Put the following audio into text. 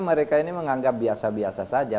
mereka ini menganggap biasa biasa saja